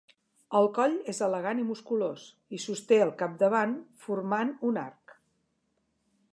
El coll és elegant i musculós, i sosté al capdavant formant un arc.